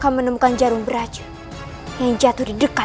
ber ministin mas ront zarung beraju jakub raksasana aibadah miserable